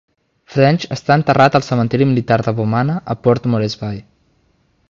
French està enterrat al cementiri militar de Bomana a Port Moresby.